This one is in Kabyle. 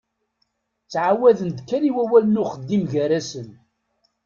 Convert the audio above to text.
Ttɛawaden-d kan i wawal n uxeddim gar-asen.